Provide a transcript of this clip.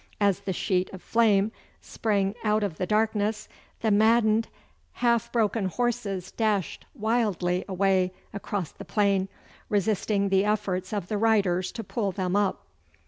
As the sheet of flame sprang out of the darkness the maddened, half broken horses dashed wildly away across the plain, resisting the efforts of the riders to pull them up.